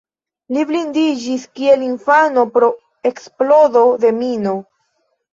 Li blindiĝis kiel infano pro eksplodo de mino.